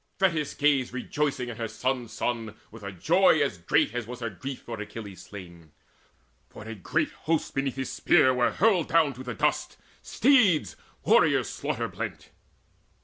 Thetis gazed Rejoicing in her son's son, with a joy As great as was her grief for Achilles slain. For a great host beneath his spear were hurled Down to the dust, steeds, warriors slaughter blent.